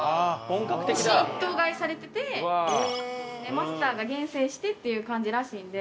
牛一頭買いされててマスターが厳選してっていう感じらしいんで。